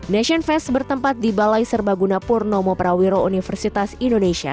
nation fest bertempat di balai serbaguna purnomo prawiro universitas indonesia